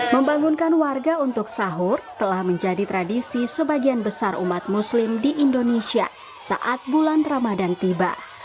membangunkan warga untuk sahur telah menjadi tradisi sebagian besar umat muslim di indonesia saat bulan ramadan tiba